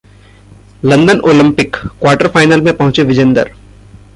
London Olympic: quarter final में पहुंचे विजेंदर